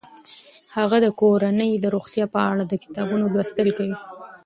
هغه د کورنۍ د روغتیا په اړه د کتابونو لوستل کوي.